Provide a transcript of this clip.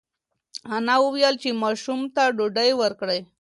انا وویل چې ماشوم ته ډوډۍ ورکړئ.